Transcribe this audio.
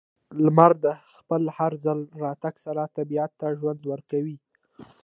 •لمر د خپل هر ځل راتګ سره طبیعت ته ژوند ورکوي.